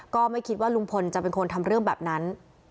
ก็ไม่คิดว่าลุงพลจะเป็นคนทำเรื่องแบบนั้น